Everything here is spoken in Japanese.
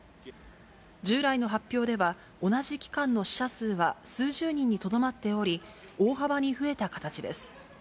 従来の発表では、同じ期間の死者数は数十人にとどまっており、大幅に増えた形です。